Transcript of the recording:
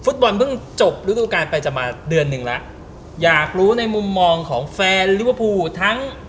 ฟุตบอลเพิ่งจบฤดูการไปจะมาเดือนหนึ่งแล้วอยากรู้ในมุมมองของแฟนลิเวอร์พูลทั้ง